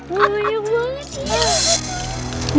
wah banyak banget sayang